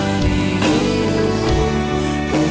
iya ibu dua